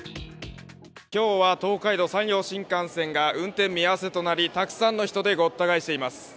今日は東海道・山陽新幹線が運転見合わせとなり、たくさんの人で、ごった返しています。